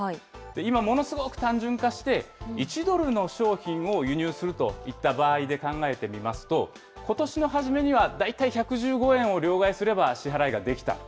今、ものすごく単純化して、１ドルの商品を輸入するといった場合で考えてみますと、ことしの初めには、大体１１５円を両替すれば支払いができた。